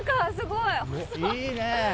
いいね。